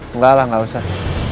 enggak lah nggak usah